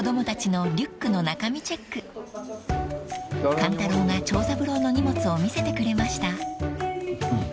［勘太郎が長三郎の荷物を見せてくれました］